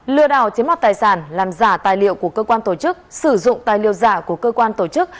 lừa đảo chiếm mặt tài sản làm giả tài liệu của cơ quan tổ chức sử dụng tài liệu giả của cơ quan tổ chức